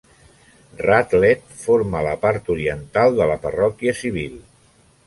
Radlett forma la part oriental de la parròquia civil.